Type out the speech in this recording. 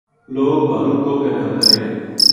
لوک بھارو کُوہ کو کھاتا رہیا